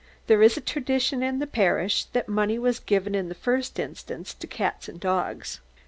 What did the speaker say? There is a tradition in the parish that money was given in the first instance to cats and dogs.